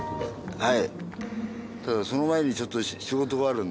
はい。